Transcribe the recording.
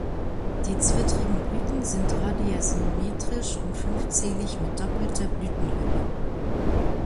Die zwittrigen Blüten sind radiärsymmetrisch und fünfzählig mit doppelter Blütenhülle.